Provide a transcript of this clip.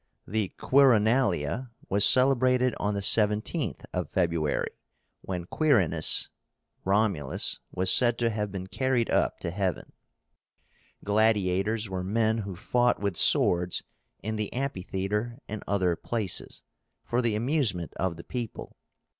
The QUIRINALIA was celebrated on the 17th of February, when Quirínus (Romulus) was said to have been carried up to heaven. Gladiators were men who fought with swords in the amphitheatre and other places, for the amusement of the people.